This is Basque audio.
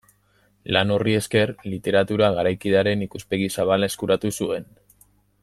Lan horri esker, literatura garaikidearen ikuspegi zabala eskuratu zuen.